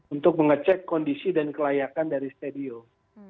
untuk mengecek kondisi dan kelayakan dari stadium